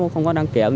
không có đăng kiểm